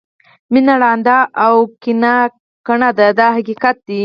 مینه ړانده او کینه کڼه ده دا حقیقت دی.